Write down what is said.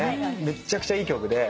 めっちゃくちゃいい曲で。